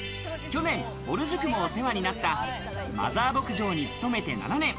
去年、ぼる塾もお世話になったマザー牧場に勤めて７年。